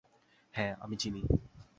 হ্যাঁ, আমি চিনি।